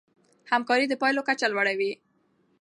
همکاري د پايلو کچه لوړوي.